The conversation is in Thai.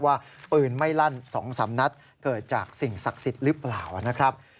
ว่าปืนไม่ลั่น๒๓นัดเกิดจากสิ่งศักดิ์สิทธิ์หรือเปล่านะครับ